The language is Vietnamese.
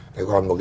thế còn một cái